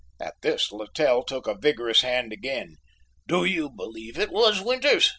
At this Littell took a vigorous hand again. "Do you believe it was Winters?"